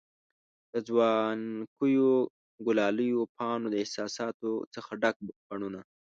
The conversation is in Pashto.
د ځوانکیو، ګلالیو پانو د احساساتو څخه ډک بڼوڼه